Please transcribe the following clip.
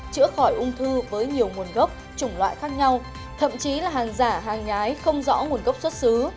chữa khỏi ung thư với nhiều nguồn gốc chủng loại khác nhau thậm chí là hàng giả hàng nhái không rõ nguồn gốc xuất xứ